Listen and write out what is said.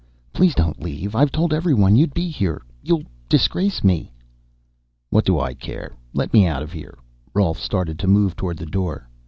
"Please don't leave. I've told everyone you'd be here you'll disgrace me." "What do I care? Let me out of here." Rolf started to move toward the door.